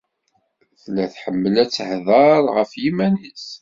Tella tḥemmel ad tehder ɣef yiman-is.